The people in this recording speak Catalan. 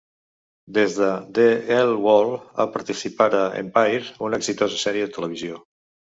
Des de "The L Word", ha participat a "Empire", una exitosa sèrie de televisió.